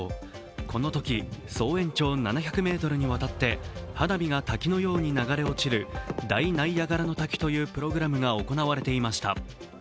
このとき、総延長７００ｍにわたって花火が滝のように流れ落ちる大ナイアガラの滝というプログラムが行われていました。